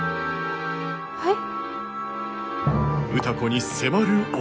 はい？